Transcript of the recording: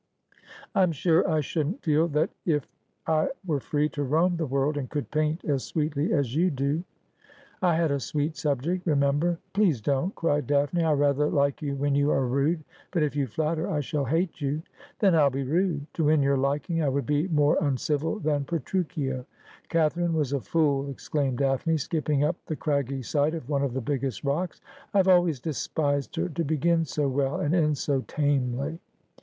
' I'm sure I shouldn't feel that if I were free to roam the world, and could paint as sweetly as you do.' ' I had a sweet subject, remember.' ' Please don't,' cried Daphne ;' I rather like you when you are rude, but if you flatter I shall hate you.' ' Then I'll be rude. To win your liking I would be more uncivil than Petruchio.' ' Katharine was a fool !' exclaimed Daphne, skipping up the craggy side of one of the biggest rocks. ' I have always despised her. To begin so well, and end so tamely.'